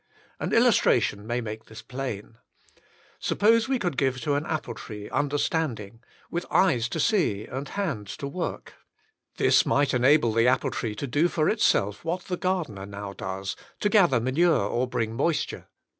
An illustration may make this plain. Suppose we could give to an apple tree understanding, with eyes to see and hands to work, this might enable the apple tree to do for itself what the gardener now does, to gather manure or bring moisture.